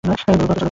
ব্লকের সদর তেহট্ট।